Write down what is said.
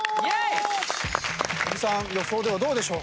小木さん予想はどうでしょう？